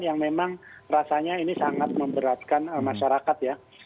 yang memang rasanya ini sangat memberatkan masyarakat ya